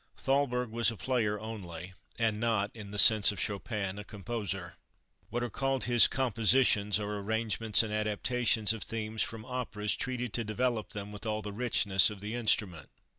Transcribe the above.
Thalberg was a player only, and not, in the sense of Chopin, a composer. What are called his compositions are arrangements and adaptations of themes from operas treated to develop them with all the richness of the instrument.